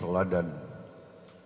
dan inilah yang saya kira